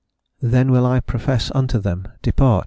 "Then will I profess unto them... Depart...